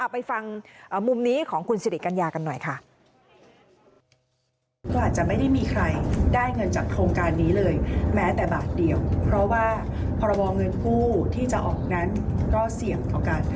ไปฟังมุมนี้ของคุณสิริกัญญากันหน่อยค่ะ